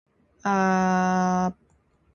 anak ini rusuh makannya, apa saja dimakannya